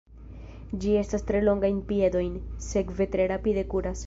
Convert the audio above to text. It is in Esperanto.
Ĝi havas tre longajn piedojn, sekve tre rapide kuras.